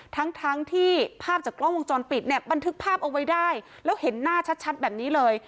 ทั้งทั้งที่ภาพจากกล้องวงจรปิดเนี่ยบันทึกภาพเอาไว้ได้แล้วเห็นหน้าชัดแบบนี้เลย